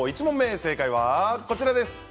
１問目正解はこちらです。